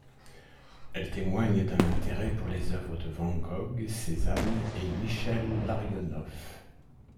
Elles témoignent d'un intérêt pour les œuvres de Van Gogh, Cézanne et Michel Larionov.